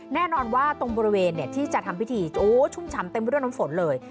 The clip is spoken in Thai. แน่นอนว่าตรงบริเวณที่จะทำพิธีโอ้ชุ่มช้ำเต็มไปด้วยน้ำฝนเลย